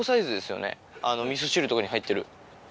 みそ汁とかに入ってる。